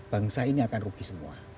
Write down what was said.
bangsa ini akan rugi semua